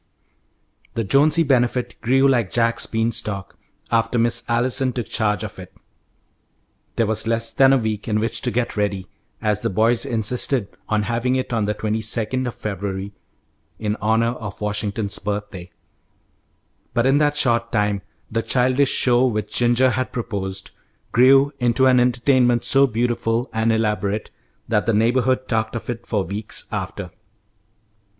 The Jonesy Benefit grew like Jack's bean stalk after Miss Allison took charge of it. There was less than a week in which to get ready, as the boys insisted on having it on the twenty second of February, in honour of Washington's birthday; but in that short time the childish show which Ginger had proposed grew into an entertainment so beautiful and elaborate that the neighbourhood talked of it for weeks after.